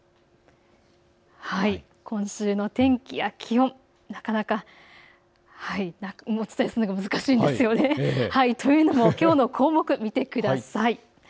今週の天気や気温、なかなかお伝えするのが難しいんですよね。というのもきょうの項目を見てください。